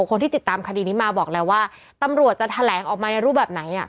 คนที่ติดตามคดีนี้มาบอกแล้วว่าตำรวจจะแถลงออกมาในรูปแบบไหน